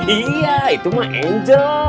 iya itu mah angel